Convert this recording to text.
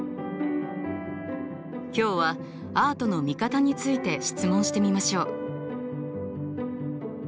今日はアートの見方について質問してみましょう。